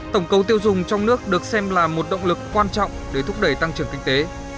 tổng cầu tiêu dùng trong nước được xem là một động lực quan trọng để thúc đẩy tăng trưởng kinh tế